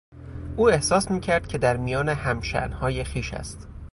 او احساس میکرد که در میان همشانهای خویش است.